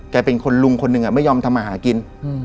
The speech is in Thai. เป็นคนลุงคนหนึ่งไม่ยอมทำมาหากิน